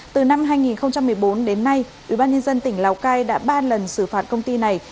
từ năm hai nghìn một mươi bốn đến nay ủy ban nhân dân tỉnh lào cai đã ba lần xử phạt công ty này